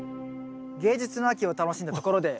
芸術の秋を楽しんだところで。